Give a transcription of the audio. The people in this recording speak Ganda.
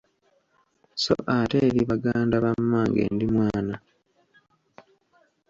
Sso ate eri Baganda ba mmange ndi mwana.